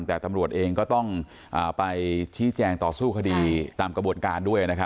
แต่ตำรวจเองก็ต้องไปชี้แจงต่อสู้คดีตามกระบวนการด้วย